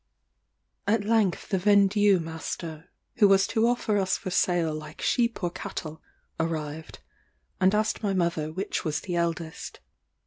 At length the vendue master, who was to offer us for sale like sheep or cattle, arrived, and asked my mother which was the eldest.